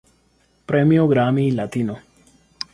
Premio Grammy Latino